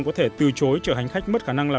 có thể từ chối chở hành khách mất khả năng làm